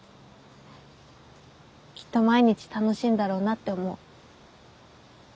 きっと毎日楽しいんだろうなって思う。